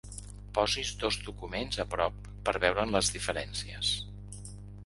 Posis dos documents a prop per veure'n les diferències.